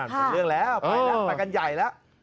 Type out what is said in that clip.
ไปแล้วไปกันใหญ่แล้ว